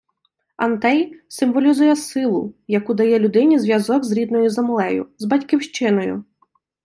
Антей - символізує силу, яку дає людині зв'язок з рідною землею, з батьківщиною